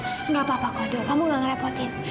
enggak apa apa kodol kamu enggak merepotin